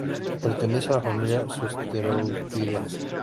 Pertenece a la familia Zosteropidae.